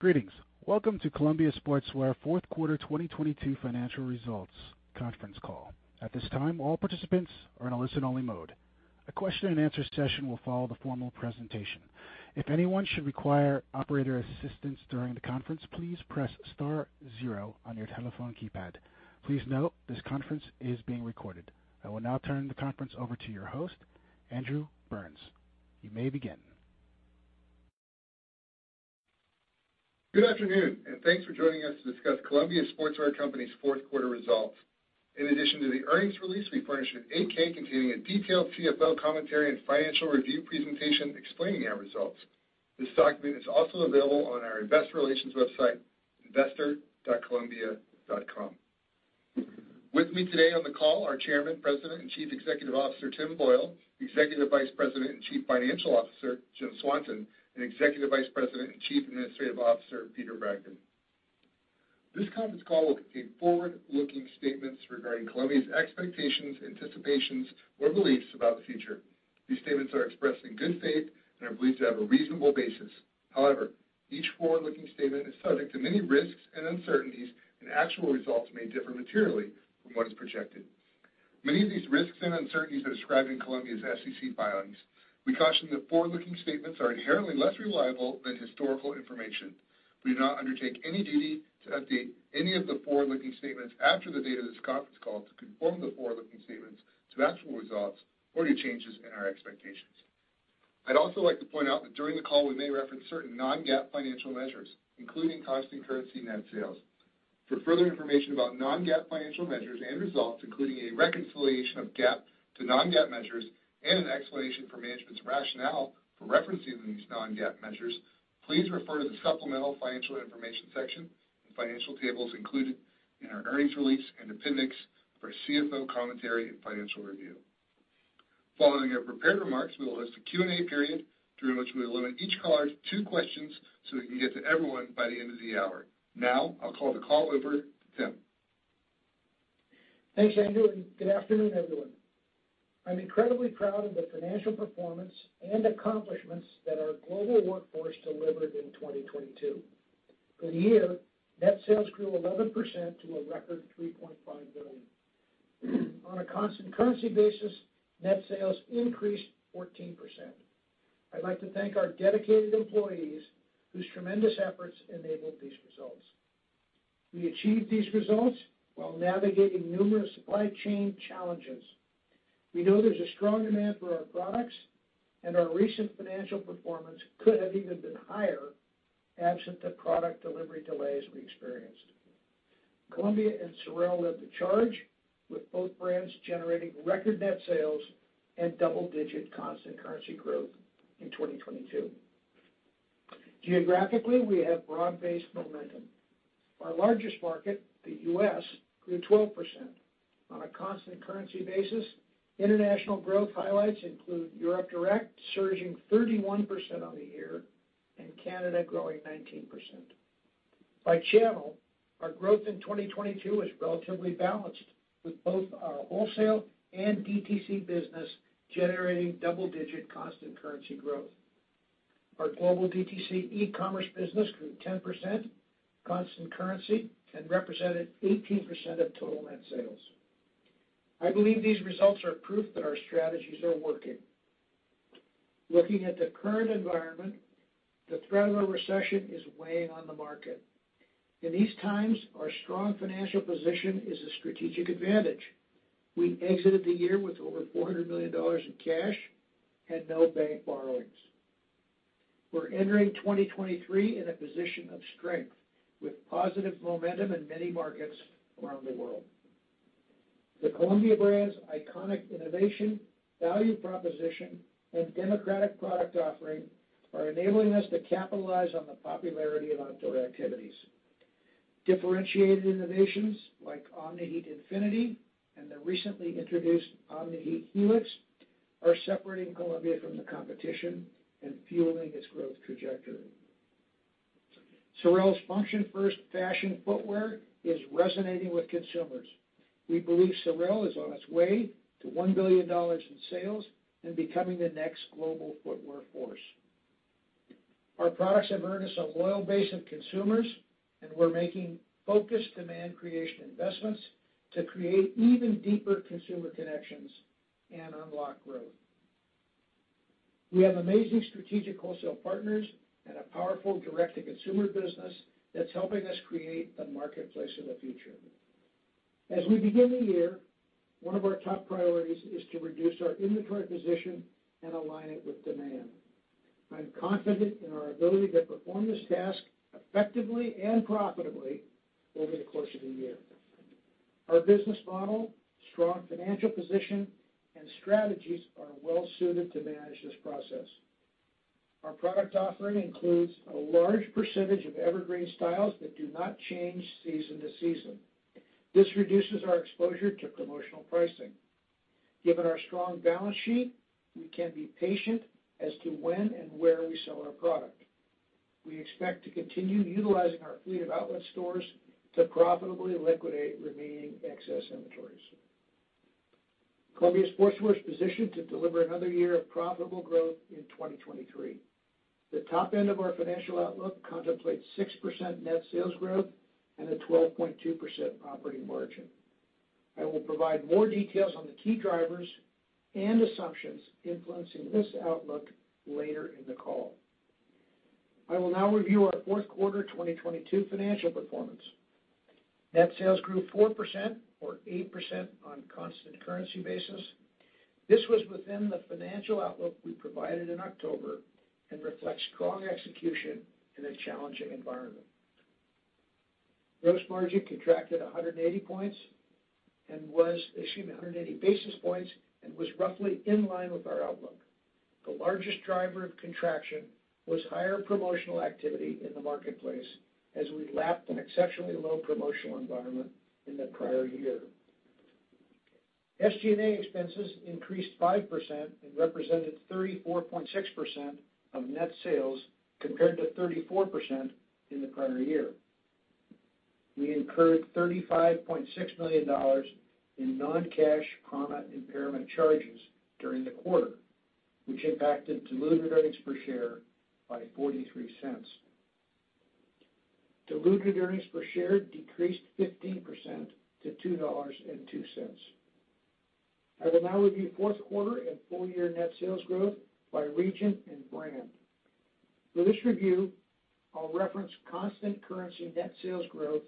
Greetings. Welcome to Columbia Sportswear fourth quarter 2022 financial results conference call. At this time, all participants are in a listen-only mode. A question-and-answer session will follow the formal presentation. If anyone should require operator assistance during the conference, please press star zero on your telephone keypad. Please note this conference is being recorded. I will now turn the conference over to your host, Andrew Burns. You may begin. Good afternoon, and thanks for joining us to discuss Columbia Sportswear Company's fourth quarter results. In addition to the earnings release, we furnished an 8-K containing a detailed CFO commentary and financial review presentation explaining our results. This document is also available on our Investor Relations website, investor.columbia.com. With me today on the call are Chairman, President, and Chief Executive Officer, Tim Boyle, Executive Vice President and Chief Financial Officer, Jim Swanson, and Executive Vice President and Chief Administrative Officer, Peter Bragdon. This conference call will contain forward-looking statements regarding Columbia's expectations, anticipations, or beliefs about the future. These statements are expressed in good faith and are believed to have a reasonable basis. Each forward-looking statement is subject to many risks and uncertainties, and actual results may differ materially from what is projected. Many of these risks and uncertainties are described in Columbia's SEC filings. We caution that forward-looking statements are inherently less reliable than historical information. We do not undertake any duty to update any of the forward-looking statements after the date of this conference call to conform the forward-looking statements to actual results or to changes in our expectations. I'd also like to point out that during the call, we may reference certain non-GAAP financial measures, including constant currency net sales. For further information about non-GAAP financial measures and results, including a reconciliation of GAAP to non-GAAP measures and an explanation for management's rationale for referencing these non-GAAP measures, please refer to the supplemental financial information section and financial tables included in our earnings release and appendix for CFO commentary and financial review. Following our prepared remarks, we will host a Q&A period during which we will limit each caller to two questions so we can get to everyone by the end of the hour. Now, I'll turn the call over to Tim. Thanks, Andrew. Good afternoon, everyone. I'm incredibly proud of the financial performance and accomplishments that our global workforce delivered in 2022. For the year, net sales grew 11% to a record $3.5 billion. On a constant currency basis, net sales increased 14%. I'd like to thank our dedicated employees whose tremendous efforts enabled these results. We achieved these results while navigating numerous supply chain challenges. We know there's a strong demand for our products. Our recent financial performance could have even been higher absent the product delivery delays we experienced. Columbia and SOREL led the charge, with both brands generating record net sales and double-digit constant currency growth in 2022. Geographically, we have broad-based momentum. Our largest market, the U.S., grew 12% on a constant currency basis. International growth highlights include Europe Direct surging 31% on the year and Canada growing 19%. By channel, our growth in 2022 was relatively balanced, with both our wholesale and DTC business generating double-digit constant currency growth. Our global DTC e-commerce business grew 10% constant currency and represented 18% of total net sales. I believe these results are proof that our strategies are working. Looking at the current environment, the threat of a recession is weighing on the market. In these times, our strong financial position is a strategic advantage. We exited the year with over $400 million in cash and no bank borrowings. We're entering 2023 in a position of strength with positive momentum in many markets around the world. The Columbia brand's iconic innovation, value proposition, and democratic product offering are enabling us to capitalize on the popularity of outdoor activities. Differentiated innovations like Omni-Heat Infinity and the recently introduced Omni-Heat Helix are separating Columbia from the competition and fueling its growth trajectory. SOREL's function first fashion footwear is resonating with consumers. We believe SOREL is on its way to $1 billion in sales and becoming the next global footwear force. Our products have earned us a loyal base of consumers, and we're making focused demand creation investments to create even deeper consumer connections and unlock growth. We have amazing strategic wholesale partners and a powerful direct-to-consumer business that's helping us create the marketplace of the future. As we begin the year, one of our top priorities is to reduce our inventory position and align it with demand. I'm confident in our ability to perform this task effectively and profitably over the course of the year. Our business model, strong financial position, and strategies are well-suited to manage this process. Our product offering includes a large percentage of evergreen styles that do not change season to season. This reduces our exposure to promotional pricing. Given our strong balance sheet, we can be patient as to when and where we sell our product. We expect to continue utilizing our fleet of outlet stores to profitably liquidate remaining excess inventories. Columbia Sportswear is positioned to deliver another year of profitable growth in 2023. The top end of our financial outlook contemplates 6% net sales growth and a 12.2% operating margin. I will provide more details on the key drivers and assumptions influencing this outlook later in the call. I will now review our fourth quarter 2022 financial performance. Net sales grew 4% or 8% on constant currency basis. This was within the financial outlook we provided in October and reflects strong execution in a challenging environment. Gross margin contracted 180 basis points and was roughly in line with our outlook. The largest driver of contraction was higher promotional activity in the marketplace as we lapped an exceptionally low promotional environment in the prior year. SG&A expenses increased 5% and represented 34.6% of net sales, compared to 34% in the prior year. We incurred $35.6 million in non-cash impairment charges during the quarter, which impacted diluted earnings per share by $0.43. Diluted earnings per share decreased 15% to $2.02. I will now review fourth quarter and full-year net sales growth by region and brand. For this review, I'll reference constant currency net sales growth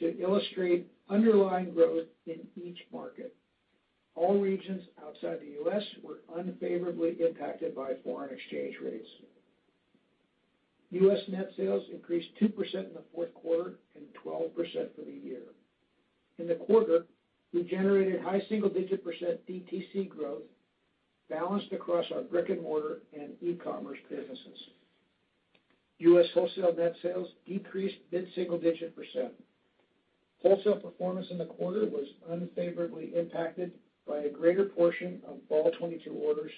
to illustrate underlying growth in each market. All regions outside the U.S. were unfavorably impacted by foreign exchange rates. U.S. net sales increased 2% in the fourth quarter and 12% for the year. In the quarter, we generated high single-digit percent DTC growth balanced across our brick-and-mortar and e-commerce businesses. U.S. wholesale net sales decreased mid-single digit percent. Wholesale performance in the quarter was unfavorably impacted by a greater portion of fall '22 orders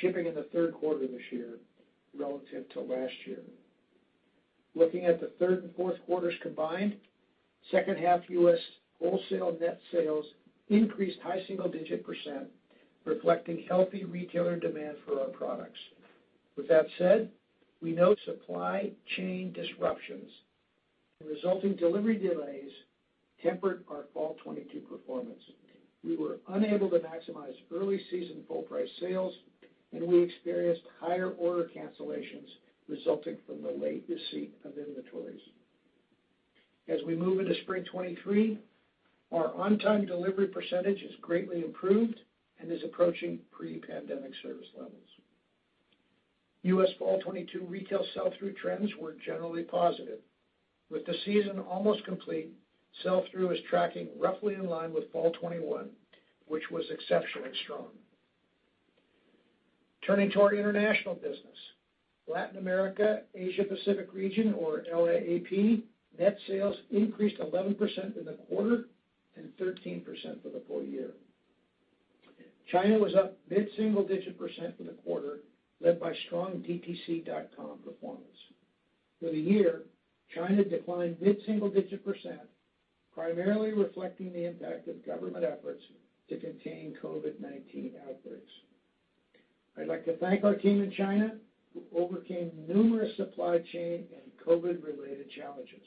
shipping in the third quarter this year relative to last year. Looking at the third and fourth quarters combined, second-half U.S. wholesale net sales increased high-single-digit percent, reflecting healthy retailer demand for our products. We know supply chain disruptions and resulting delivery delays tempered our fall 2022 performance. We were unable to maximize early-season full-price sales, and we experienced higher order cancellations resulting from the late receipt of inventories. As we move into spring 2023, our on-time delivery percentage has greatly improved and is approaching pre-pandemic service levels. U.S. fall 2022 retail sell-through trends were generally positive. With the season almost complete, sell-through is tracking roughly in line with fall 2021, which was exceptionally strong. Turning to our international business. Latin America, Asia Pacific region, or LAAP, net sales increased 11% in the quarter and 13% for the full year. China was up mid-single digit percent for the quarter, led by strong dtc.com performance. For the year, China declined mid-single digit percent, primarily reflecting the impact of government efforts to contain COVID-19 outbreaks. I'd like to thank our team in China, who overcame numerous supply chain and COVID-related challenges.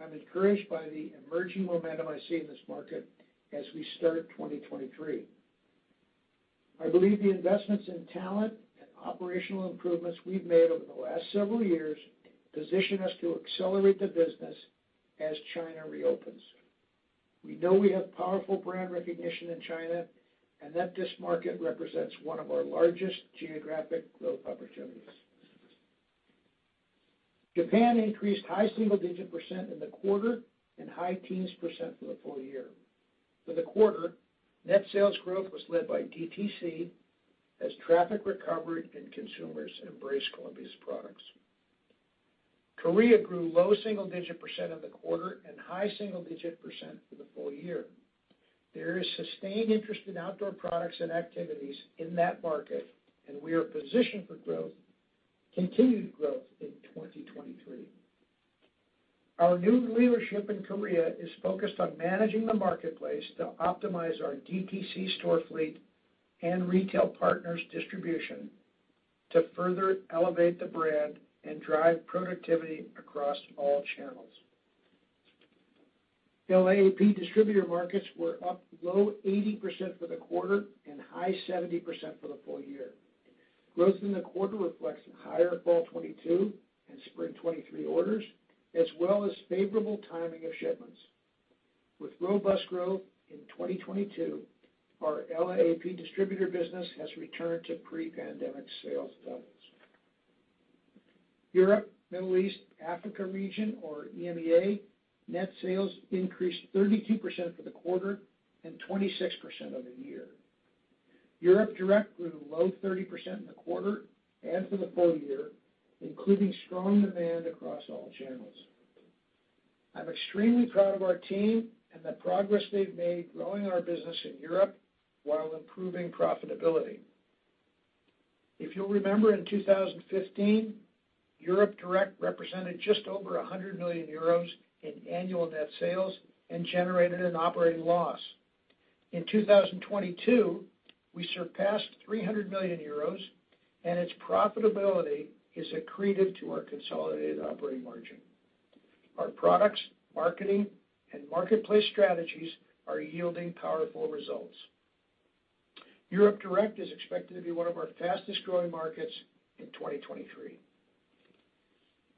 I'm encouraged by the emerging momentum I see in this market as we start 2023. I believe the investments in talent and operational improvements we've made over the last several years position us to accelerate the business as China reopens. We know we have powerful brand recognition in China, and that this market represents one of our largest geographic growth opportunities. Japan increased high single-digit percent in the quarter and high-teens percent for the full year. For the quarter, net sales growth was led by DTC as traffic recovered and consumers embraced Columbia's products. Korea grew low single-digit percent in the quarter and high single-digit percent for the full year. There is sustained interest in outdoor products and activities in that market, and we are positioned for continued growth in 2023. Our new leadership in Korea is focused on managing the marketplace to optimize our DTC store fleet and retail partners' distribution to further elevate the brand and drive productivity across all channels. LAAP distributor markets were up low 80% for the quarter and high 70% for the full year. Growth in the quarter reflects higher fall 2022 and spring 2023 orders, as well as favorable timing of shipments. With robust growth in 2022, our LAAP distributor business has returned to pre-pandemic sales levels. Europe, Middle East, Africa region, or EMEA, net sales increased 32% for the quarter and 26% over the year. Europe Direct grew low-30% in the quarter and for the full year, including strong demand across all channels. I'm extremely proud of our team and the progress they've made growing our business in Europe while improving profitability. If you'll remember, in 2015, Europe Direct represented just over 100 million euros in annual net sales and generated an operating loss. In 2022, we surpassed 300 million euros, and its profitability is accreted to our consolidated operating margin. Our products, marketing, and marketplace strategies are yielding powerful results. Europe Direct is expected to be one of our fastest-growing markets in 2023.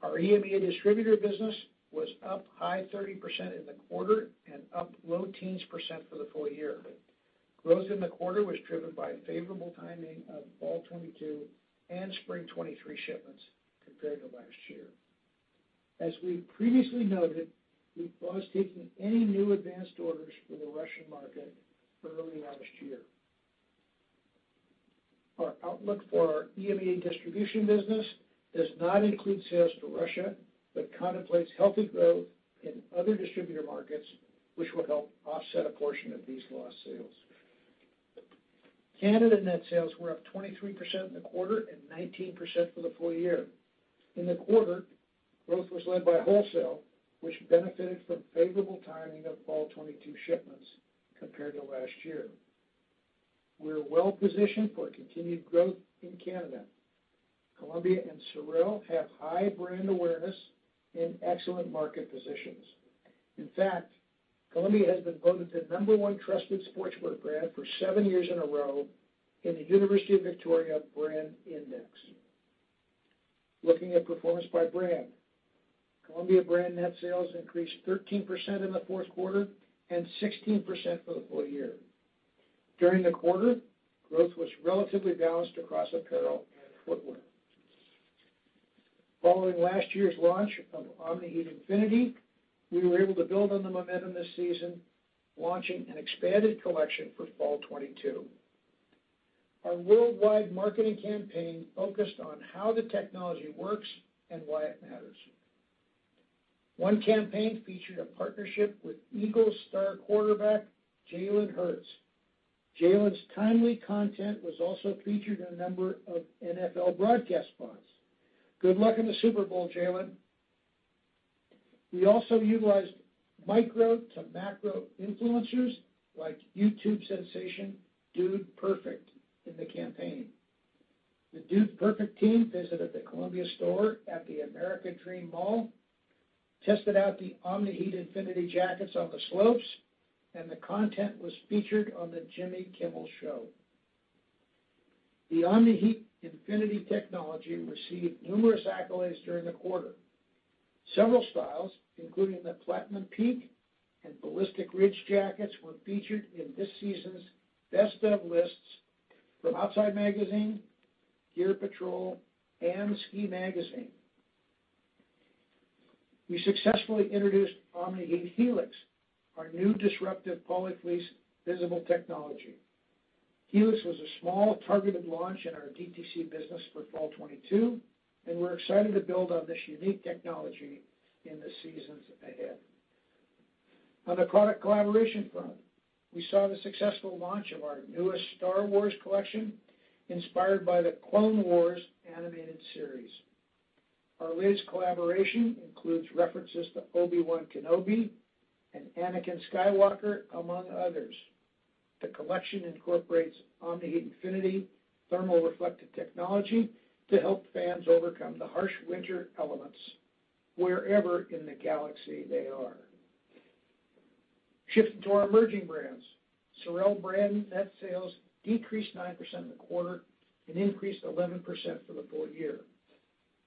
Our EMEA distributor business was up high 30% in the quarter and up low teens percent for the full year. Growth in the quarter was driven by favorable timing of fall 2022 and spring 2023 shipments compared to last year. As we previously noted, we've paused taking any new advanced orders for the Russian market early last year. Our outlook for our EMEA distribution business does not include sales to Russia but contemplates healthy growth in other distributor markets, which will help offset a portion of these lost sales. Canada net sales were up 23% in the quarter and 19% for the full year. In the quarter, growth was led by wholesale, which benefited from favorable timing of fall 2022 shipments compared to last year. We are well-positioned for continued growth in Canada. Columbia and SOREL have high brand awareness and excellent market positions. In fact, Columbia has been voted the number one trusted sportswear brand for seven years in a row in the University of Victoria Brand Index. Looking at performance by brand. Columbia brand net sales increased 13% in the fourth quarter and 16% for the full year. During the quarter, growth was relatively balanced across apparel and footwear. Following last year's launch of Omni-Heat Infinity, we were able to build on the momentum this season, launching an expanded collection for fall 2022. Our worldwide marketing campaign focused on how the technology works and why it matters. One campaign featured a partnership with Eagles Star quarterback Jalen Hurts. Jalen's timely content was also featured in a number of NFL broadcast spots. Good luck in the Super Bowl, Jalen. We also utilized micro-to-macro influencers like YouTube sensation Dude Perfect in the campaign. The Dude Perfect team visited the Columbia store at the American Dream Mall, tested out the Omni-Heat Infinity jackets on the slopes, and the content was featured on the Jimmy Kimmel show. The Omni-Heat Infinity technology received numerous accolades during the quarter. Several styles, including the Platinum Peak and Ballistic Ridge jackets, were featured in this season's best of lists from Outside Magazine, Gear Patrol, and SKI Magazine. We successfully introduced Omni-Heat Helix, our new disruptive poly fleece visible technology. Helix was a small targeted launch in our DTC business for fall 2022, and we're excited to build on this unique technology in the seasons ahead. On the product collaboration front, we saw the successful launch of our newest Star Wars collection inspired by The Clone Wars animated series. Our latest collaboration includes references to Obi-Wan Kenobi and Anakin Skywalker, among others. The collection incorporates Omni-Heat Infinity thermal reflective technology to help fans overcome the harsh winter elements wherever in the galaxy they are. Shifting to our emerging brands. SOREL brand net sales decreased 9% in the quarter and increased 11% for the full year.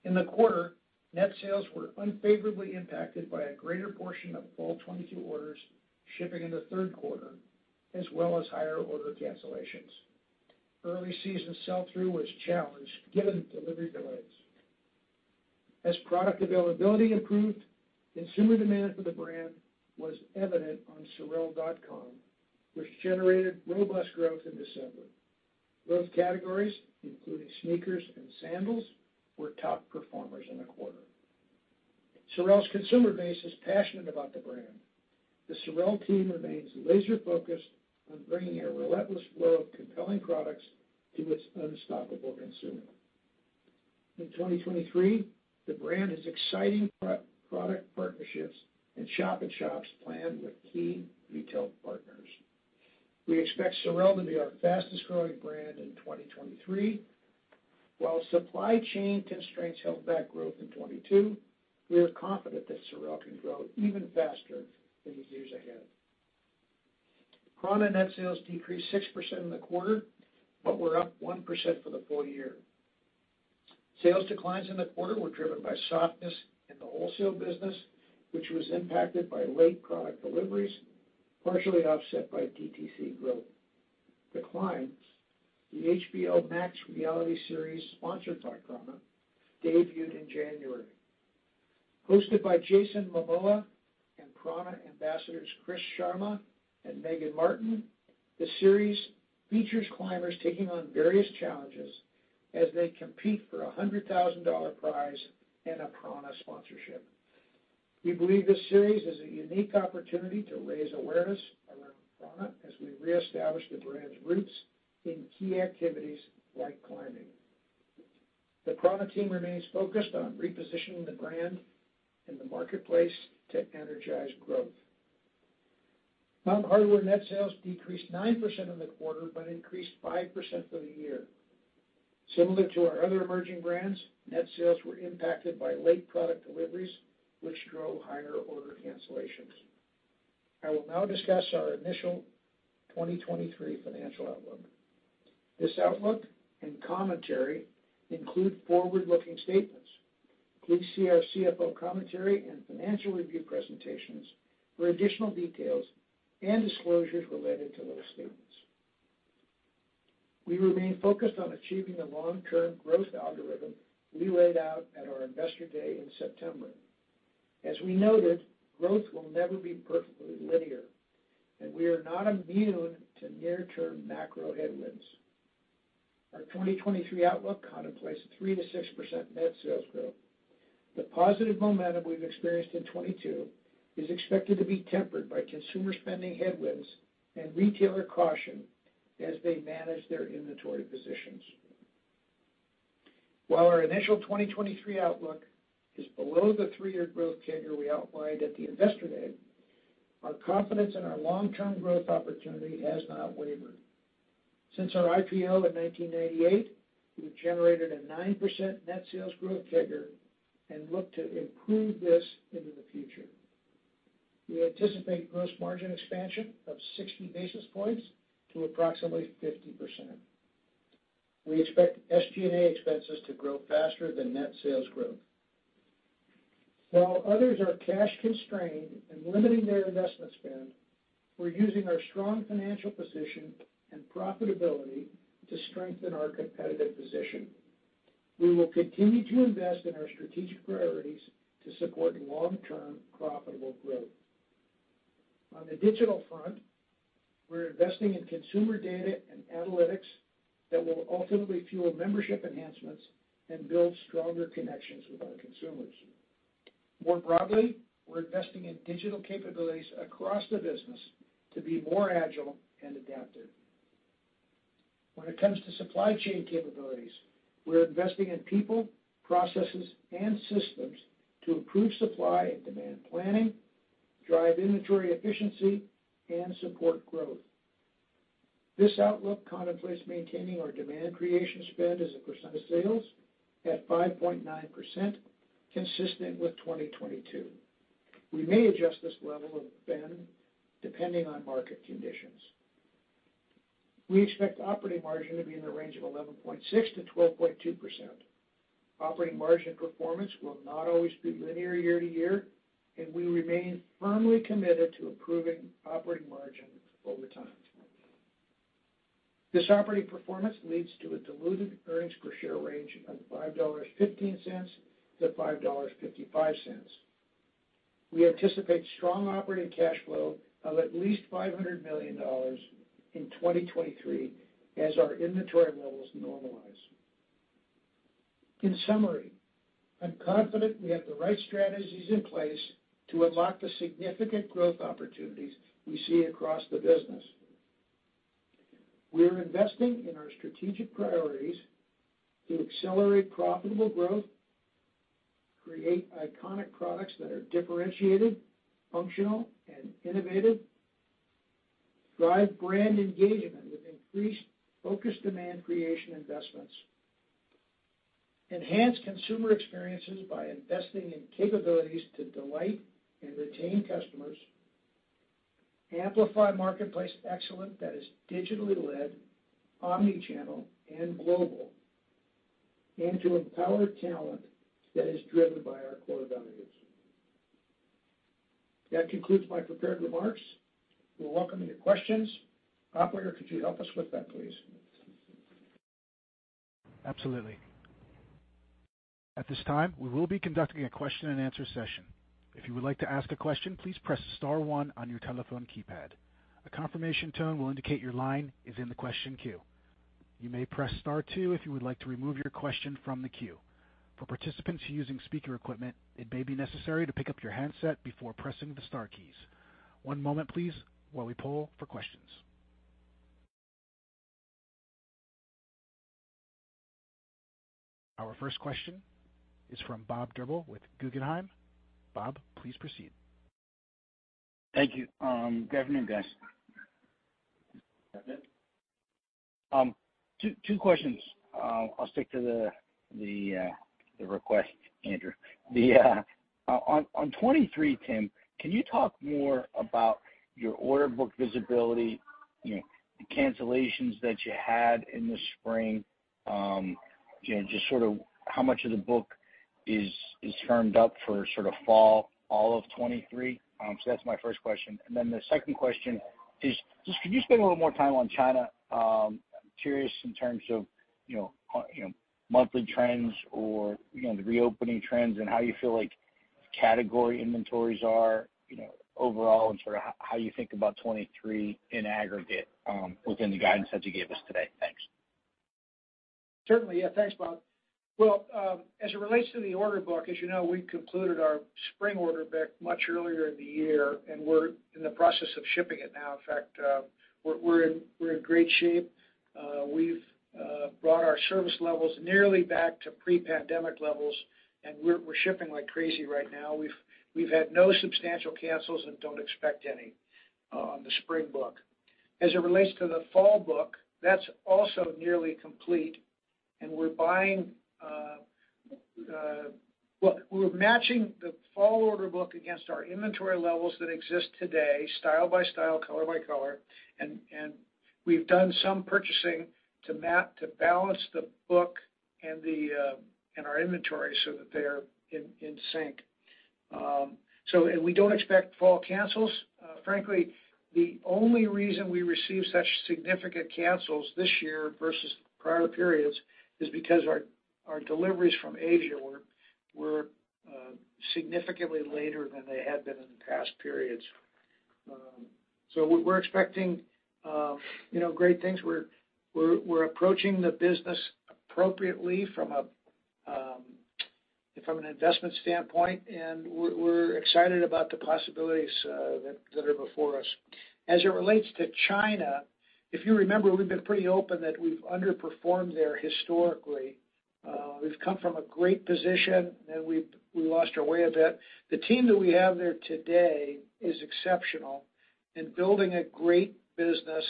In the quarter, net sales were unfavorably impacted by a greater portion of fall 2022 orders shipping in the third quarter, as well as higher order cancellations. Early season sell-through was challenged given delivery delays. As product availability improved, consumer demand for the brand was evident on sorel.com, which generated robust growth in December. Both categories, including sneakers and sandals, were top performers in the quarter. Sorel's consumer base is passionate about the brand. The SOREL team remains laser-focused on bringing a relentless flow of compelling products to its unstoppable consumer. In 2023, the brand has exciting pro-product partnerships and shop-in-shops planned with key retail partners. We expect SOREL to be our fastest-growing brand in 2023. While supply chain constraints held back growth in 2022, we are confident that SOREL can grow even faster in the years ahead. prAna net sales decreased 6% in the quarter but were up 1% for the full year. Sales declines in the quarter were driven by softness in the wholesale business, which was impacted by late product deliveries, partially offset by DTC growth. The Climb, the HBO Max reality series sponsored by prAna, debuted in January. Hosted by Jason Momoa and prAna ambassadors Chris Sharma and Meagan Martin, the series features climbers taking on various challenges as they compete for a $100,000 prize and a prAna sponsorship. We believe this series is a unique opportunity to raise awareness around prAna as we reestablish the brand's roots in key activities like climbing. The prAna team remains focused on repositioning the brand in the marketplace to energize growth. Mountain Hardwear net sales decreased 9% in the quarter, but increased 5% for the year. Similar to our other emerging brands, net sales were impacted by late product deliveries, which drove higher order cancellations. I will now discuss our initial 2023 financial outlook. This outlook and commentary include forward-looking statements. Please see our CFO commentary and financial review presentations for additional details and disclosures related to those statements. We remain focused on achieving the long-term growth algorithm we laid out at our Investor Day in September. As we noted, growth will never be perfectly linear, and we are not immune to near-term macro headwinds. Our 2023 outlook contemplates a 3%-6% net sales growth. The positive momentum we've experienced in 2022 is expected to be tempered by consumer spending headwinds and retailer caution as they manage their inventory positions. While our initial 2023 outlook is below the three-year growth figure we outlined at the Investor Day, our confidence in our long-term growth opportunity has not wavered. Since our IPO in 1988, we've generated a 9% net sales growth figure and look to improve this into the future. We anticipate gross margin expansion of 60 basis points to approximately 50%. We expect SG&A expenses to grow faster than net sales growth. While others are cash constrained and limiting their investment spend, we're using our strong financial position and profitability to strengthen our competitive position. We will continue to invest in our strategic priorities to support long-term profitable growth. On the digital front, we're investing in consumer data and analytics that will ultimately fuel membership enhancements and build stronger connections with our consumers. More broadly, we're investing in digital capabilities across the business to be more agile and adaptive. When it comes to supply chain capabilities, we're investing in people, processes, and systems to improve supply and demand planning, drive inventory efficiency, and support growth. This outlook contemplates maintaining our demand creation spend as a percent of sales at 5.9%, consistent with 2022. We may adjust this level of spend depending on market conditions. We expect operating margin to be in the range of 11.6%-12.2%. Operating margin performance will not always be linear year to year, and we remain firmly committed to improving operating margin over time. This operating performance leads to a diluted earnings per share range of $5.15-$5.55. We anticipate strong operating cash flow of at least $500 million in 2023 as our inventory levels normalize. In summary, I'm confident we have the right strategies in place to unlock the significant growth opportunities we see across the business. We're investing in our strategic priorities to accelerate profitable growth, create iconic products that are differentiated, functional, and innovative, drive brand engagement with increased focused demand creation investments, enhance consumer experiences by investing in capabilities to delight and retain customers, amplify marketplace excellence that is digitally led, omni-channel and global, and to empower talent that is driven by our core values. That concludes my prepared remarks. We'll welcome your questions. Operator, could you help us with that, please? Absolutely. At this time, we will be conducting a question-and-answer session. If you would like to ask a question, please press star one on your telephone keypad. A confirmation tone will indicate your line is in the question queue. You may press star two if you would like to remove your question from the queue. For participants using speaker equipment, it may be necessary to pick up your handset before pressing the star keys. One moment, please, while we poll for questions. Our first question is from Bob Drbul with Guggenheim. Bob, please proceed. Thank you. Good afternoon, guys. Good afternoon. Two questions. I'll stick to the request, Andrew. On 2023, Tim, can you talk more about your order book visibility, you know, the cancellations that you had in the spring, you know, just sort of how much of the book is firmed up for sort of fall all of 2023? That's my first question. The second question is, just could you spend a little more time on China? I'm curious in terms of, you know, monthly trends or, you know, the reopening trends and how you feel like Category inventories are, you know, overall and sort of how you think about 2023 in aggregate, within the guidance that you gave us today. Thanks. Certainly, yeah. Thanks, Bob. Well, as it relates to the order book, as you know, we concluded our spring order book much earlier in the year, and we're in the process of shipping it now. In fact, we're in great shape. We've brought our service levels nearly back to pre-pandemic levels, and we're shipping like crazy right now. We've had no substantial cancels and don't expect any on the spring book. As it relates to the fall book, that's also nearly complete and we're buying, well, we're matching the fall order book against our inventory levels that exist today, style by style, color by color. We've done some purchasing to balance the book and the and our inventory so that they are in sync. We don't expect fall cancels. Frankly, the only reason we received such significant cancels this year versus prior periods is because our deliveries from Asia were significantly later than they had been in the past periods. We're expecting, you know, great things. We're approaching the business appropriately from an investment standpoint, and we're excited about the possibilities that are before us. As it relates to China, if you remember, we've been pretty open that we've underperformed there historically. We've come from a great position and we lost our way a bit. The team that we have there today is exceptional in building a great business.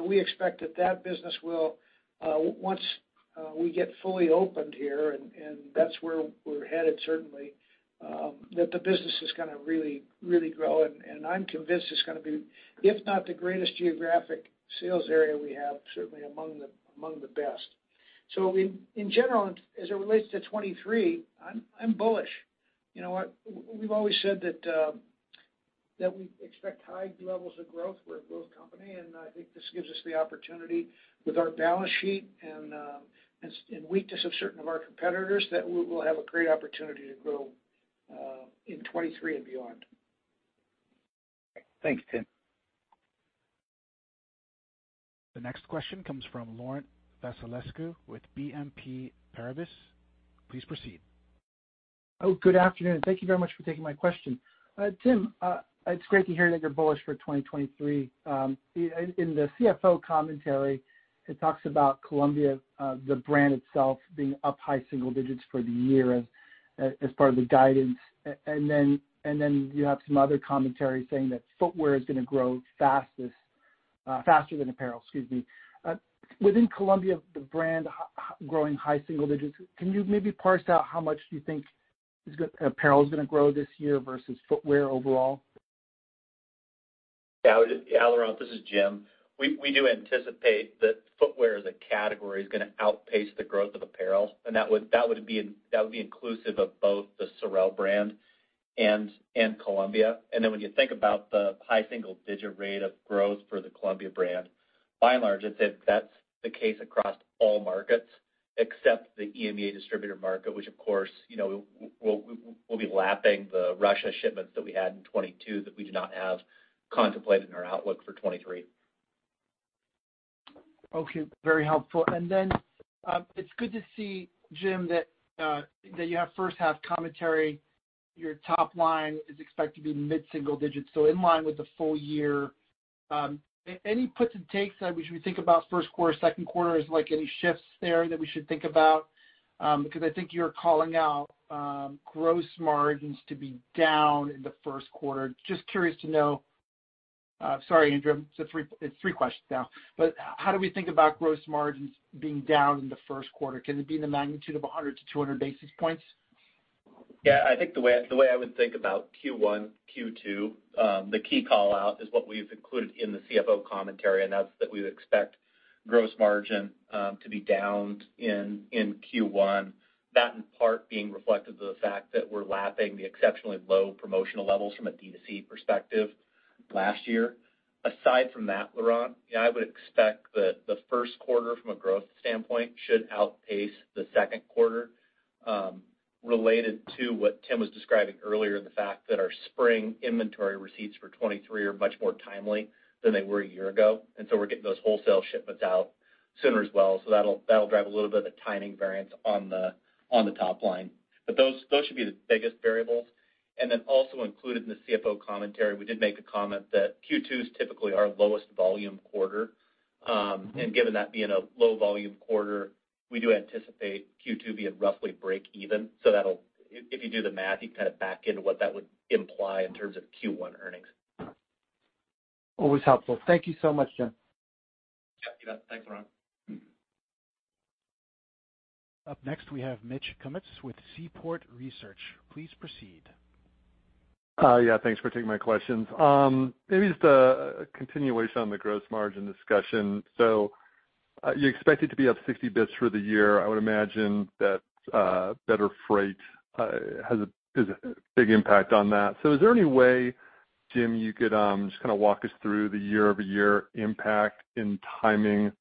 We expect that that business will once we get fully opened here, and that's where we're headed certainly, that the business is gonna really, really grow. I'm convinced it's gonna be, if not the greatest geographic sales area we have, certainly among the best. In general, and as it relates to 2023, I'm bullish. You know what? We've always said that we expect high levels of growth. We're a growth company, and I think this gives us the opportunity with our balance sheet and weakness of certain of our competitors, that we will have a great opportunity to grow in 2023 and beyond. Thanks, Tim. The next question comes from Laurent Vasilescu with BNP Paribas. Please proceed. Good afternoon. Thank you very much for taking my question. Tim, it's great to hear that you're bullish for 2023. In the CFO commentary, it talks about Columbia, the brand itself being up high single digits for the year as part of the guidance. Then you have some other commentary saying that footwear is gonna grow fastest, faster than apparel, excuse me. Within Columbia, the brand growing high single digits, can you maybe parse out how much do you think is apparel is gonna grow this year versus footwear overall? Yeah, Laurent, this is Jim. We do anticipate that footwear as a category is gonna outpace the growth of apparel, that would be inclusive of both the SOREL brand and Columbia. When you think about the high single digit rate of growth for the Columbia brand, by and large, I'd say that's the case across all markets except the EMEA distributor market, which of course, you know, we'll be lapping the Russia shipments that we had in 2022 that we do not have contemplated in our outlook for 2023. Okay, very helpful. It's good to see, Jim, that you have first-half commentary, your top line is expected to be mid-single digits, so in line with the full year. Any puts and takes that we should think about first quarter, second quarter? Is, like, any shifts there that we should think about? I think you're calling out gross margins to be down in the first quarter. Just curious to know, sorry, Andrew, so it's three questions now. How do we think about gross margins being down in the first quarter? Can it be in the magnitude of 100 to 200 basis points? Yeah. I think the way I would think about Q1, Q2, the key call out is what we've included in the CFO commentary. That's that we would expect gross margin to be down in Q1. That in part being reflective of the fact that we're lapping the exceptionally low promotional levels from a D2C perspective last year. Aside from that, Laurent, yeah, I would expect that the first quarter from a growth standpoint should outpace the second quarter, related to what Tim was describing earlier, the fact that our spring inventory receipts for 2023 are much more timely than they were a year ago, and so we're getting those wholesale shipments out sooner as well. That'll drive a little bit of the timing variance on the top line. Those should be the biggest variables. Also included in the CFO commentary, we did make a comment that Q2 is typically our lowest volume quarter. Given that being a low volume quarter, we do anticipate Q2 being roughly break even. That'll, if you do the math, you kind of back into what that would imply in terms of Q1 earnings. Always helpful. Thank you so much, Jim. Yeah. You bet. Thanks, Laurent. Up next, we have Mitch Kummetz with Seaport Research. Please proceed. Yeah, thanks for taking my questions. Maybe just a continuation on the gross margin discussion. You expect it to be up 60 basis points for the year. I would imagine that better freight has a big impact on that. Is there any way, Jim, you could kind of walk us through the year-over-year impact in timing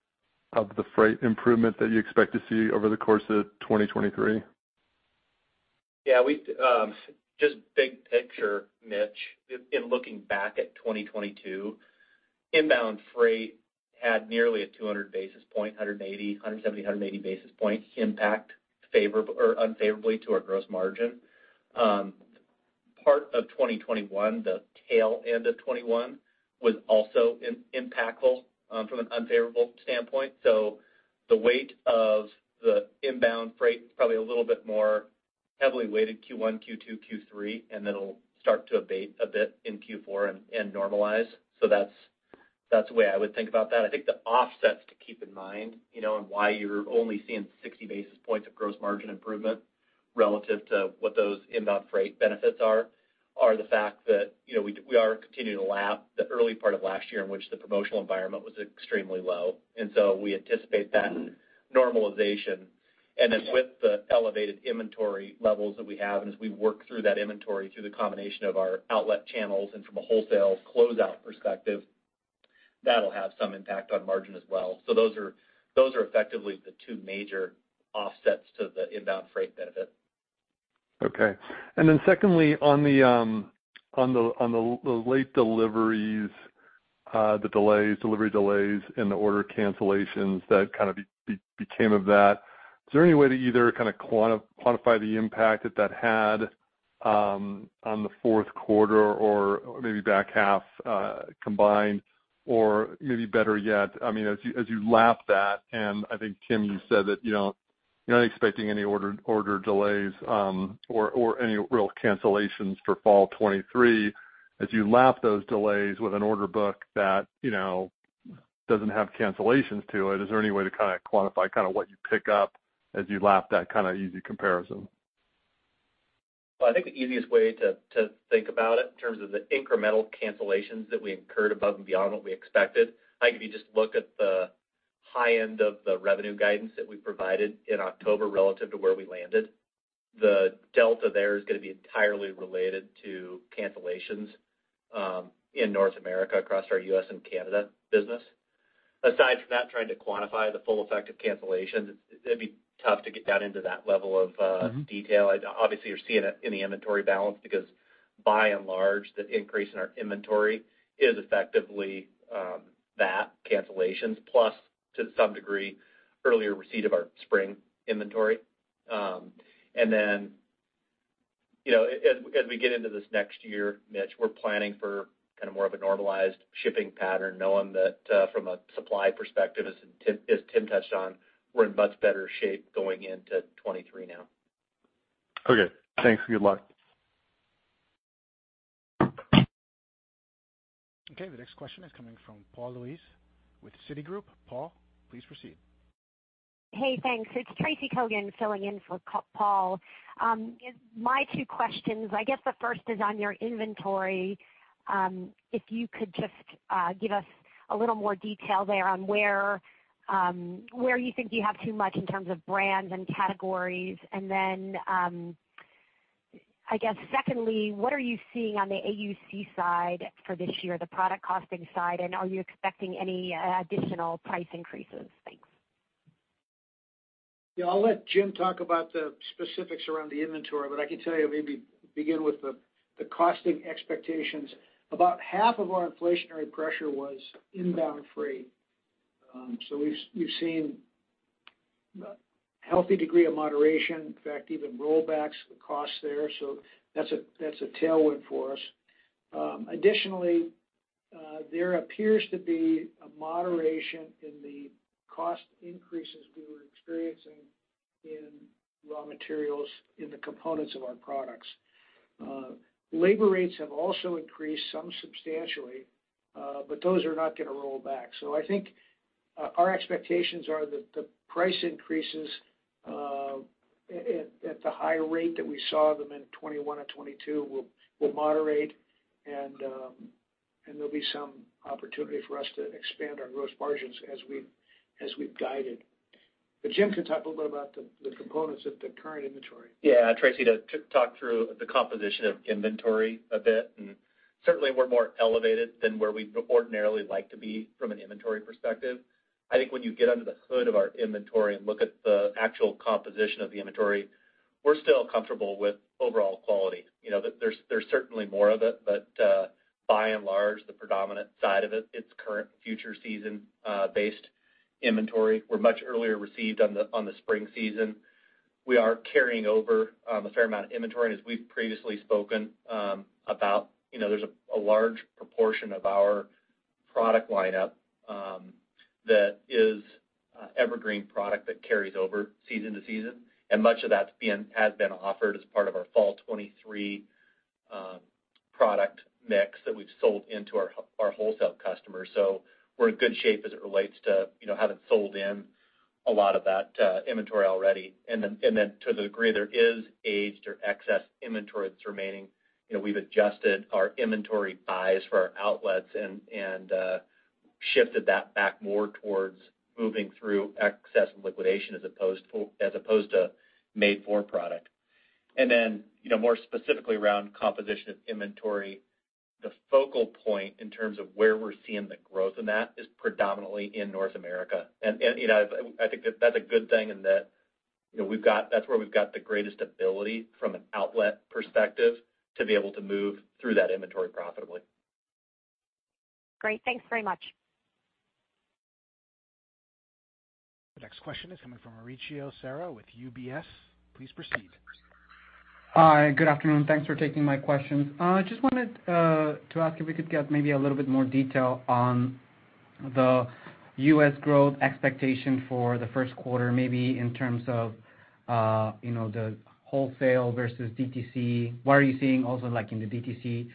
of the freight improvement that you expect to see over the course of 2023? Yeah, we, just big picture, Mitch, in looking back at 2022, inbound freight had nearly a 200 basis point, 170 basis points, 180 basis point impact unfavorably to our gross margin. Part of 2021, the tail end of 2021 was also impactful from an unfavorable standpoint. The weight of the inbound freight is probably a little bit more heavily weighted Q1, Q2, Q3, and then it'll start to abate a bit in Q4 and normalize. That's the way I would think about that. I think the offsets to keep in mind, you know, and why you're only seeing 60 basis points of gross margin improvement relative to what those inbound freight benefits are the fact that, you know, we are continuing to lap the early part of last year in which the promotional environment was extremely low. We anticipate that normalization. Then with the elevated inventory levels that we have, and as we work through that inventory through the combination of our outlet channels and from a wholesale closeout perspective, that'll have some impact on margin as well. Those are effectively the two major offsets to the inbound freight benefit. Secondly, on the late deliveries, the delays, delivery delays and the order cancellations that kind of became of that, is there any way to either kind of quantify the impact that that had on the fourth quarter or maybe back half combined? Maybe better yet, I mean, as you, as you lap that, and I think, Tim, you said that, you know, you're not expecting any order delays or any real cancellations for fall 2023. As you lap those delays with an order book that, you know, doesn't have cancellations to it, is there any way to kind of quantify kind of what you pick up as you lap that kind of easy comparison? Well, I think the easiest way to think about it in terms of the incremental cancellations that we incurred above and beyond what we expected, I think if you just look at the high end of the revenue guidance that we provided in October relative to where we landed, the delta there is gonna be entirely related to cancellations, in North America across our U.S. and Canada business. Aside from that, trying to quantify the full effect of cancellations, it'd be tough to get down into that level of detail. Obviously, you're seeing it in the inventory balance because by and large, the increase in our inventory is effectively, that, cancellations, plus to some degree, earlier receipt of our spring inventory. You know, as we get into this next year, Mitch, we're planning for kind of more of a normalized shipping pattern, knowing that, from a supply perspective, as Tim touched on, we're in much better shape going into 2023 now. Okay. Thanks. Good luck. The next question is coming from Paul Lejuez with Citigroup. Paul, please proceed. Hey, thanks. It's Tracy Kogan filling in for Paul. My two questions, I guess the first is on your inventory. If you could just give us a little more detail there on where you think you have too much in terms of brands and categories. I guess secondly, what are you seeing on the AUC side for this year, the product costing side, and are you expecting any additional price increases? Thanks. I'll let Jim talk about the specifics around the inventory, I can tell you, maybe begin with the costing expectations. About half of our inflationary pressure was inbound freight. We've seen a healthy degree of moderation, in fact, even rollbacks the cost there. That's a tailwind for us. Additionally, there appears to be a moderation in the cost increases we were experiencing in raw materials in the components of our products. Labor rates have also increased some substantially, those are not gonna roll back. I think our expectations are that the price increases at the high rate that we saw them in 2021 and 2022 will moderate and there'll be some opportunity for us to expand our gross margins as we've guided. Jim can talk a little bit about the components of the current inventory. Yeah, Tracy, to talk through the composition of inventory a bit, certainly we're more elevated than where we'd ordinarily like to be from an inventory perspective. I think when you get under the hood of our inventory and look at the actual composition of the inventory, we're still comfortable with overall quality. You know, there's certainly more of it, by and large, the predominant side of it's current future season based inventory. We're much earlier received on the spring season. We are carrying over a fair amount of inventory. As we've previously spoken about, you know, there's a large proportion of our product lineup that is evergreen product that carries over season to season. Much of that's been offered as part of our fall 2023 product mix that we've sold into our wholesale customers. We're in good shape as it relates to, you know, having sold in a lot of that inventory already. To the degree there is aged or excess inventory that's remaining, you know, we've adjusted our inventory buys for our outlets and shifted that back more towards moving through excess and liquidation as opposed to made for product. More specifically around composition of inventory, the focal point in terms of where we're seeing the growth in that is predominantly in North America. You know, I think that that's a good thing in that, you know, that's where we've got the greatest ability from an outlet perspective to be able to move through that inventory profitably. Great. Thanks very much. The next question is coming from Mauricio Serna with UBS. Please proceed. Hi. Good afternoon. Thanks for taking my questions. Just wanted to ask if we could get maybe a little bit more detail on the U.S. growth expectation for the first quarter, maybe in terms of, you know, the wholesale versus DTC. What are you seeing also like in the DTC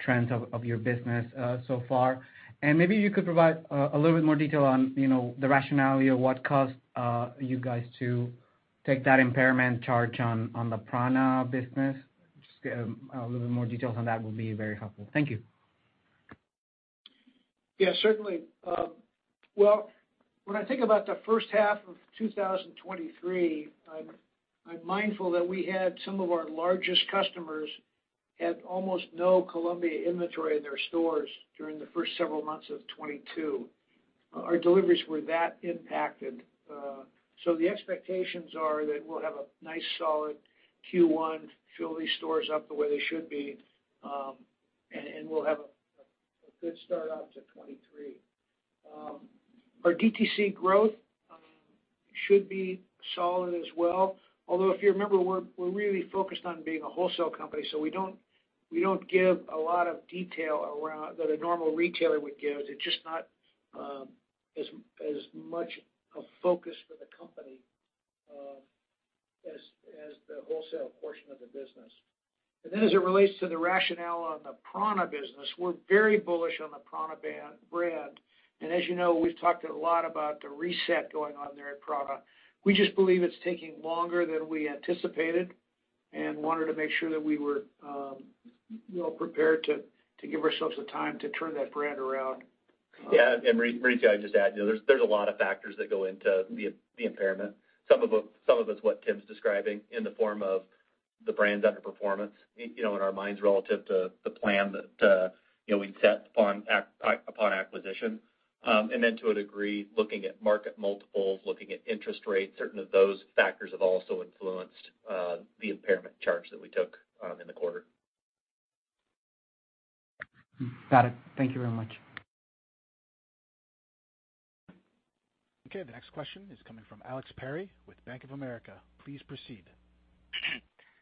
trends of your business so far? Maybe you could provide a little bit more detail on, you know, the rationale or what caused you guys to take that impairment charge on the prAna business. Just get a little bit more details on that will be very helpful. Thank you. Yeah, certainly. Well, when I think about the first half of 2023, I'm mindful that we had some of our largest customers had almost no Columbia inventory in their stores during the first several months of 2022. Our deliveries were that impacted. The expectations are that we'll have a nice solid Q1, fill these stores up the way they should be, and we'll have a good start out to 2023. Our DTC growth should be solid as well. Although if you remember, we're really focused on being a wholesale company, we don't give a lot of detail around... that a normal retailer would give. It's just not as much a focus for the company as the wholesale portion of the business. As it relates to the rationale on the prAna business, we're very bullish on the prAna brand. As you know, we've talked a lot about the reset going on there at prAna. We just believe it's taking longer than we anticipated and wanted to make sure that we were, you know, prepared to give ourselves the time to turn that brand around. Yeah. Mauricio, I'd just add, you know, there's a lot of factors that go into the impairment. Some of them, some of it's what Tim's describing in the form of the brand's underperformance, you know, in our minds relative to the plan that, you know, we'd set upon acquisition. To a degree, looking at market multiples, looking at interest rates, certain of those factors have also influenced the impairment charge that we took in the quarter. Got it. Thank you very much. The next question is coming from Alex Perry with Bank of America. Please proceed.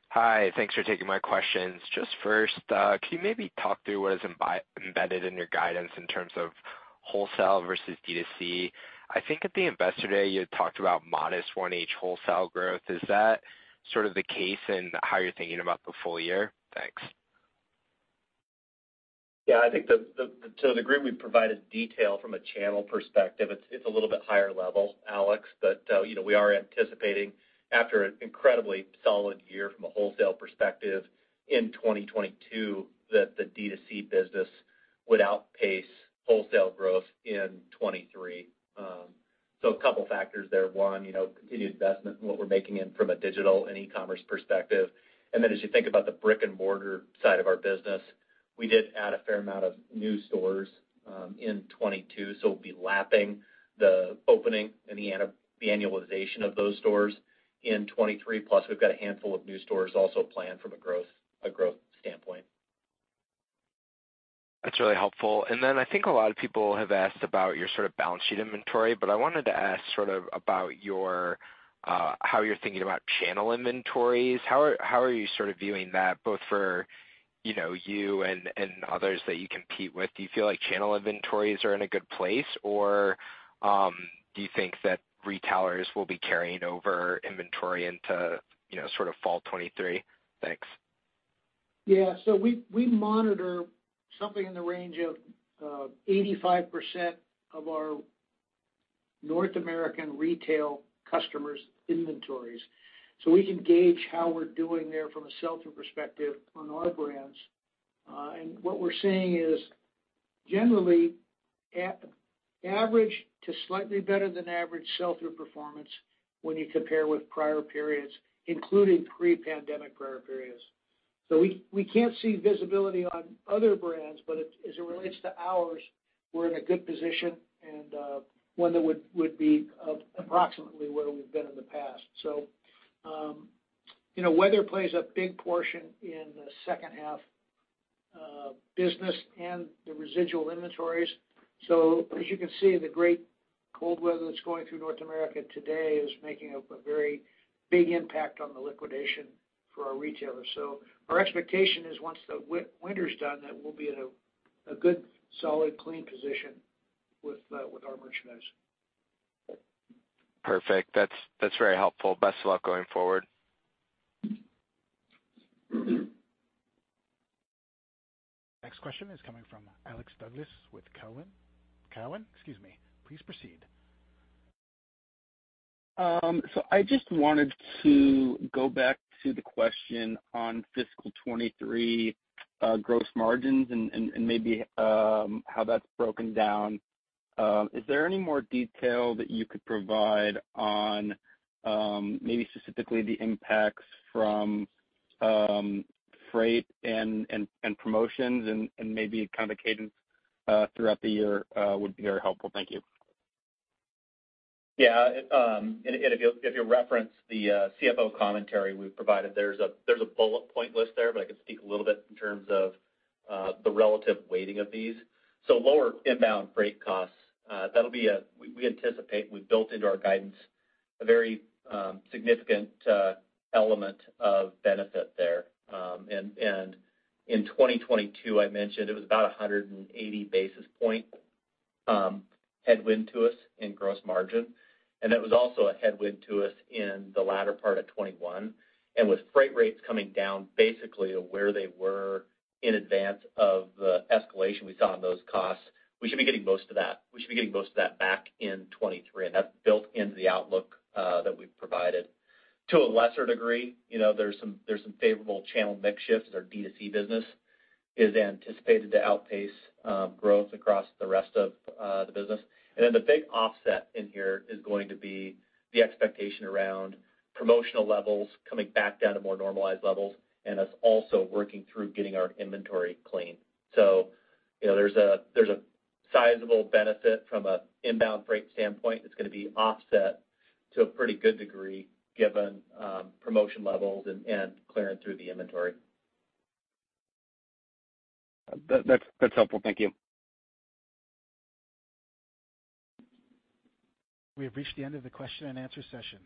Hi. Thanks for taking my questions. Just first, can you maybe talk through what is embedded in your guidance in terms of wholesale versus DTC? I think at the Investor Day, you had talked about modest 1H wholesale growth. Is that sort of the case in how you're thinking about the full year? Thanks. Yeah. I think the to the degree we've provided detail from a channel perspective, it's a little bit higher level, Alex. You know, we are anticipating after an incredibly solid year from a wholesale perspective in 2022 that the DTC business would outpace wholesale growth in 2023. A couple factors there. One, you know, continued investment in what we're making in from a digital and e-commerce perspective. As you think about the brick-and-mortar side of our business, we did add a fair amount of new stores in 2022, so we'll be lapping the opening and the annualization of those stores in 2023, plus we've got a handful of new stores also planned from a growth standpoint. That's really helpful. I think a lot of people have asked about your sort of balance sheet inventory, but I wanted to ask sort of about your, how you're thinking about channel inventories. How are you sort of viewing that both for, you know, you and others that you compete with? Do you feel like channel inventories are in a good place, or do you think that retailers will be carrying over inventory into, you know, sort of fall 2023? Thanks. We monitor something in the range of 85% of our North American retail customers' inventories, so we can gauge how we're doing there from a sell-through perspective on our brands. And what we're seeing is generally average to slightly better than average sell-through performance when you compare with prior periods, including pre-pandemic prior periods. We can't see visibility on other brands, but as it relates to ours, we're in a good position and one that would be approximately where we've been in the past. You know, weather plays a big portion in the second half business and the residual inventories. As you can see, the great cold weather that's going through North America today is making a very big impact on the liquidation for our retailers. Our expectation is once the winter's done, that we'll be in a good, solid, clean position with our merchandise. Perfect. That's very helpful. Best of luck going forward. Next question is coming from Alex Douglas with Cowen. Cowen, excuse me. Please proceed. I just wanted to go back to the question on fiscal 2023, gross margins and maybe, how that's broken down. Is there any more detail that you could provide on maybe specifically the impacts from freight and promotions and maybe kind of the cadence throughout the year would be very helpful. Thank you. Yeah. If you reference the CFO commentary we've provided, there's a bullet point list there, but I can speak a little bit in terms of the relative weighting of these. Lower inbound freight costs. We anticipate and we've built into our guidance a very significant element of benefit there. In 2022, I mentioned it was about 180 basis point headwind to us in gross margin. That was also a headwind to us in the latter part of 2021. With freight rates coming down basically to where they were in advance of the escalation we saw in those costs, we should be getting most of that back in 2023, and that's built into the outlook that we've provided. To a lesser degree, you know, there's some favorable channel mix. Our D2C business is anticipated to outpace growth across the rest of the business. The big offset in here is going to be the expectation around promotional levels coming back down to more normalized levels, and us also working through getting our inventory clean. You know, there's a sizable benefit from a inbound freight standpoint that's gonna be offset to a pretty good degree given promotion levels and clearing through the inventory. That's helpful. Thank you. We have reached the end of the question and answer session.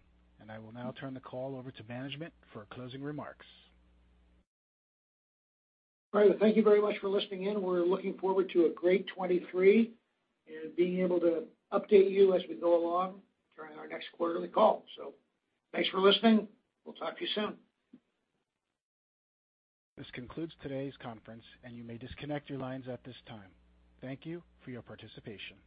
I will now turn the call over to management for closing remarks. All right. Thank you very much for listening in. We're looking forward to a great 2023 and being able to update you as we go along during our next quarterly call. Thanks for listening. We'll talk to you soon. This concludes today's conference, and you may disconnect your lines at this time. Thank you for your participation.